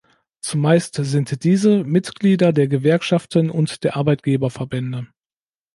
Zumeist sind diese Mitglieder der Gewerkschaften und der Arbeitgeberverbände.